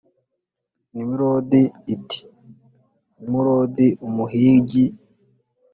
Nimurodi it nimurodi umuhigi